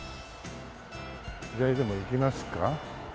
左でも行きますか。